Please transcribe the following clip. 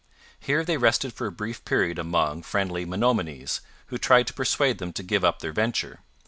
Here they rested for a brief period among friendly Menominees, who tried to persuade them to give up their venture.